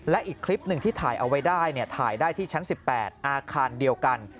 และอีกคลิปหนึ่งที่ถ่ายเอาไว้ได้ถ่ายได้ที่ชั้น๑๘อาคารเดียวกัน